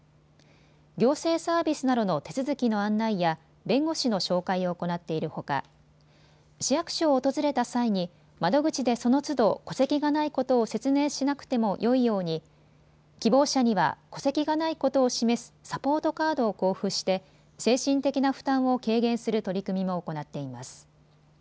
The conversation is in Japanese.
行政サービスなどの手続きの案内や弁護士の紹介を行っているほか市役所を訪れた際に窓口でそのつど戸籍がないことを説明しなくてもよいように希望者には戸籍がないことを示すサポートカードを交付して精神的な負担を軽減する取り組みも行っています。